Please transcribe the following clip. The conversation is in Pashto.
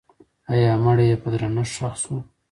آیا مړی یې په درنښت ښخ سو؟